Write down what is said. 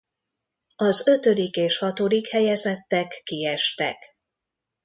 Az ötödik és hatodik helyezettek kiestek.